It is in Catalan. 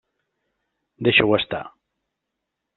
Deixa-ho estar.